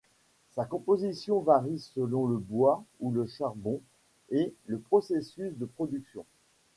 Sa composition varie selon le bois ou le charbon et le processus de production.